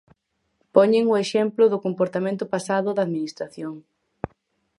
Poñen o exemplo do comportamento pasado da Administración.